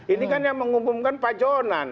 ini kan yang mengumumkan pajonan